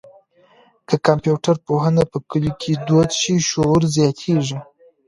که کمپيوټر پوهنه په کلیو کي دود شي، شعور زیاتېږي.